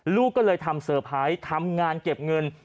ลูกก็เลยทำเซอร์ไพรส์ทำงานเก็บเงิน